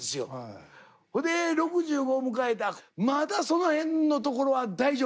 ほんで６５迎えてまだその辺のところは大丈夫。